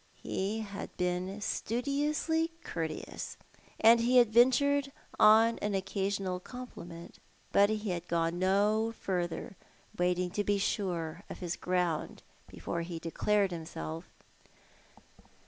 He had been studiously courteous, and he had ventured on an occasional compliment ; but he had gone no further, waiting to be sure of his ground before he declared himself.